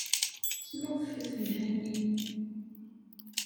Snuḍfet Mhenni.